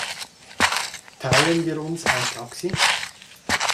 Teilen wir uns ein Taxi?